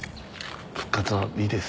復活はいいです。